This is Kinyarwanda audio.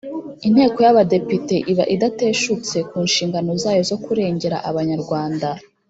Inteko y’Abadepite iba idateshutse ku nshingano zayo zo kurengera Abanyarwanda